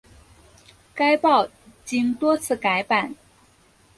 该报经多次改版。